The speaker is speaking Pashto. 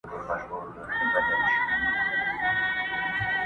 د قاتل لوري ته دوې سترگي نیولي!!